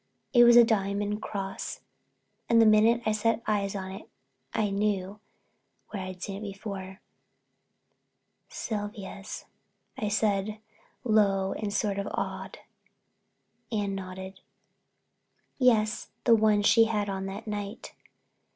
It was a diamond cross and the minute I set eyes on it I knew where I'd seen it before. "Sylvia's," I said, low and sort of awed. Anne nodded. "Yes, the one she had on that night. Mrs.